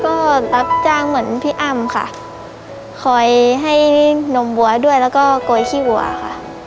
ก็รับจ้างเหมือนพี่อ้ำค่ะคอยให้นมบัวด้วยแล้วก็โกยขี้วัวค่ะ